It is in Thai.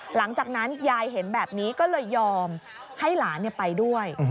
หลังจากนั้นยายเห็นแบบนี้ก็เลยยอมให้หลานไปด้วย